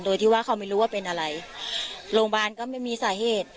โดยที่ว่าเขาไม่รู้ว่าเป็นอะไรโรงพยาบาลก็ไม่มีสาเหตุ